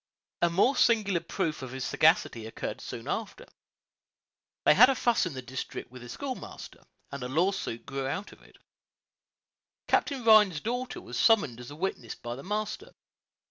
A more singular proof of his sagacity occurred soon after. They had a fuss in the district with the schoolmaster, and a lawsuit grew out of it. Captain Rhines's daughter was summoned as a witness by the master.